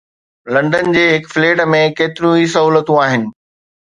London جي هڪ flat ۾ ڪيتريون ئي سهولتون آهن.